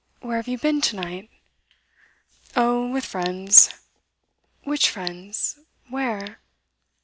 Where have you been tonight?' 'Oh, with friends.' 'Which friends? where?